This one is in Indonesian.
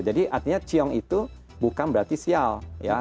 jadi artinya ciong itu bukan berarti sial ya